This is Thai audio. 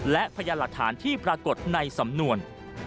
และพยานหลักฐานที่ปรากฏในสำนวน